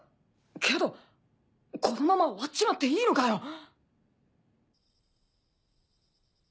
けどこのまま終わっちまっていいのかよ。